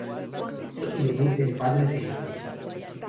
Hizo su debut en Padres e Hijos.